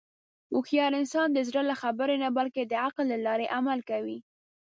هوښیار انسان د زړه له خبرې نه، بلکې د عقل له لارې عمل کوي.